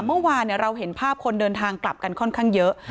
เมื่อวานเราเห็นภาพคนเดินทางกลับกันค่อนข้างเยอะ